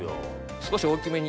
少し大きめに。